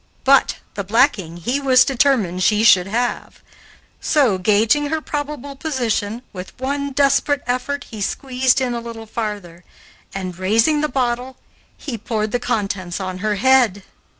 But the blacking he was determined she should have; so, gauging her probable position, with one desperate effort he squeezed in a little farther and, raising the bottle, he poured the contents on her head.